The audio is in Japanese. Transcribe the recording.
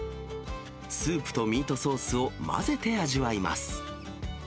スープとミートソースを混ぜて味わいます。